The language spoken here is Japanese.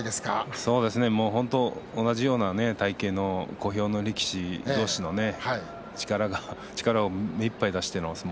そうですね、本当同じような体形の小兵力士同士の対戦で力を目いっぱい出しての相撲。